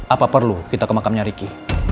apa perlu kita ke makamnya riki